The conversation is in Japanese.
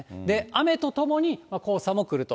雨とともに黄砂も来ると。